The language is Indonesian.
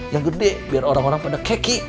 yang gede biar orang orang pada keki